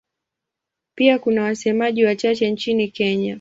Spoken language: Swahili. Pia kuna wasemaji wachache nchini Kenya.